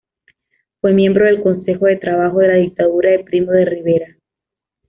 Fue miembro del Consejo de Trabajo de la dictadura de Primo de Rivera.